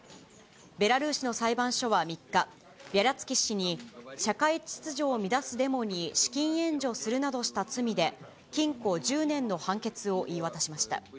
ベラルーシの裁判所は３日、ビャリャツキ氏に社会秩序を乱すデモに資金援助するなどした罪で、禁錮１０年の判決を言い渡しました。